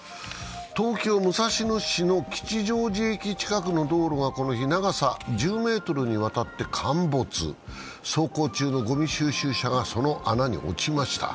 東京・武蔵野市の吉祥寺駅近くの道路がこの日、長さ１０ｍにわたって陥没走行中のごみ収集車がその穴に落ちました。